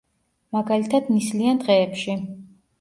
მაგალითად, ნისლიან დღეებში.